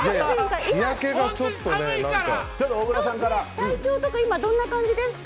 体調とか今、どんな感じですか？